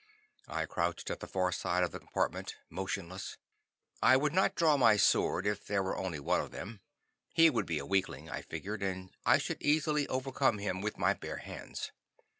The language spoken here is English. I crouched at the far side of the compartment, motionless. I would not draw my sword if there were only one of them. He would be a weakling, I figured, and I should easily overcome him with my bare hands.